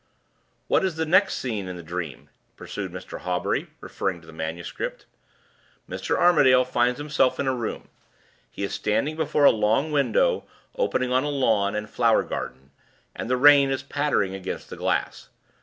"What is the next scene in the dream?" pursued Mr. Hawbury, referring to the manuscript. "Mr. Armadale finds himself in a room. He is standing before a long window opening on a lawn and flower garden, and the rain is pattering against the glass.